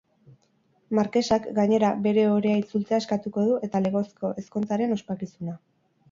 Markesak, gainera, bere ohorea itzultzea eskatuko du eta legezko ezkontzaren ospakizuna.